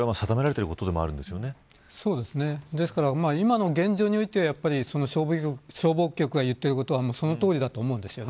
これは今の現状において消防局が言ってることはそのとおりだと思います。